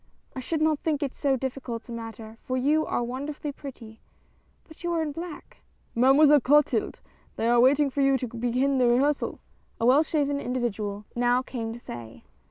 "I should not think it so difficult a matter, for you are wonderfully pretty, but you are in black?" " Mademoiselle Clotilde, they are waiting for you to begin the rehearsal," a well shaven individual now 80 CLOTILDE. came to say.